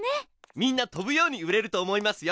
みんなとぶように売れると思いますよ。